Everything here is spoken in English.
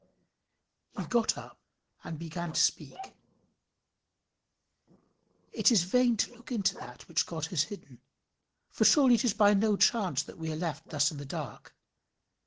"] He sat up and began to speak. It is vain to look into that which God has hidden; for surely it is by no chance that we are left thus in the dark.